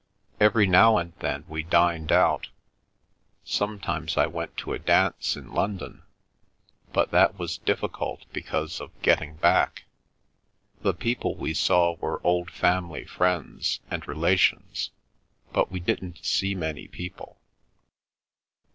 Every now and then we dined out; sometimes I went to a dance in London, but that was difficult because of getting back. The people we saw were old family friends, and relations, but we didn't see many people.